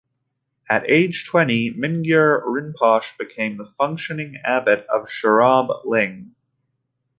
At age twenty, Mingyur Rinpoche became the functioning abbot of Sherab Ling.